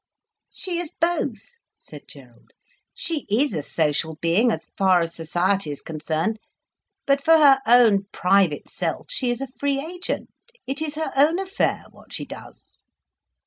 "She is both," said Gerald. "She is a social being, as far as society is concerned. But for her own private self, she is a free agent, it is her own affair, what she does."